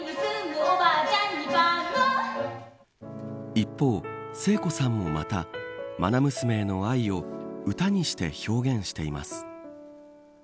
一方、聖子さんもまたまな娘への愛を歌にして表現しています。